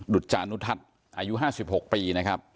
ดุจาดทอดทัศน์อายุห้าสี่หกปี